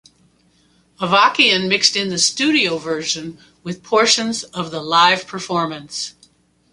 Avakian mixed in the studio version with portions of the live performance.